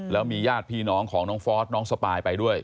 แล้วมีญาติพี่น้องของน้องฟอสน้องสปายไปด้วย